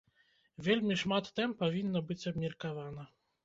Вельмі шмат тэм павінна быць абмеркавана!